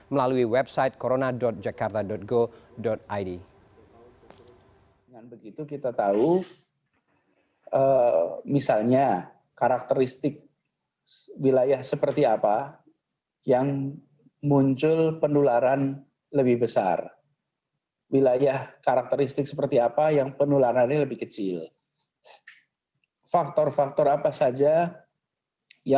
melalui website corona jakarta go id